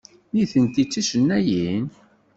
Nitenti d ticennayin?